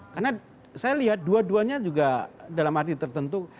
karena saya lihat dua duanya juga dalam arti tertentu